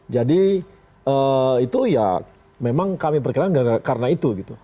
jadi itu ya memang kami percaya karena itu